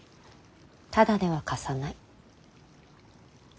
タダでは貸さない。